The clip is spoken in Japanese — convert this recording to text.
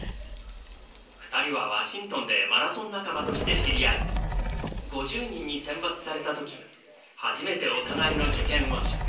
２人はワシントンでマラソン仲間として知り合い５０人に選抜された時初めてお互いの受験を知った。